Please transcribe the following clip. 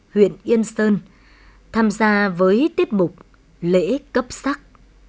huyện yên sơn tham gia với tiết mục lễ cấp sắc